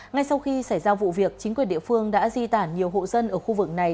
ngay sau khi xảy ra vụ việc chính quyền địa phương đã di tản nhiều hộ dân ở khu vực này